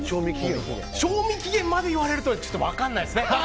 賞味期限まで言われるとちょっと分からないですね。